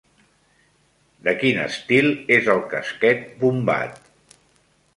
De quin estil és el casquet bombat?